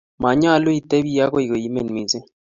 Manyalu itebi akoy koimen missing'.